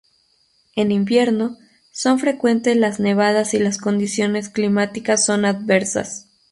En invierno, son frecuentes las nevadas y las condiciones climáticas son adversas.